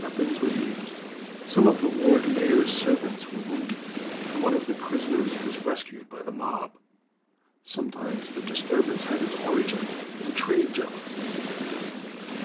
Weapons were used, some of the lord mayor's servants were wounded, and one of the prisoners was rescued by the mob. Sometimes the disturbance had its origin in trade jealousies.